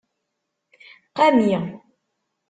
Qami.